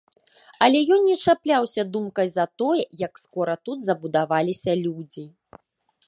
Але ён не чапляўся думкай за тое, як скора тут забудаваліся людзі.